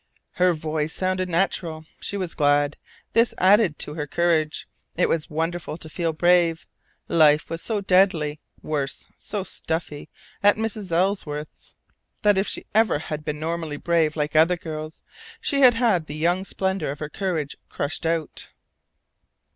Her voice sounded natural. She was glad. This added to her courage. It was wonderful to feel brave. Life was so deadly, worse so stuffy at Mrs. Ellsworth's, that if she had ever been normally brave like other girls, she had had the young splendour of her courage crushed out.